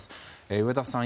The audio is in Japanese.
上田さん